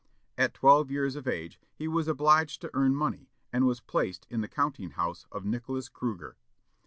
At twelve years of age he was obliged to earn money, and was placed in the counting house of Nicholas Cruger.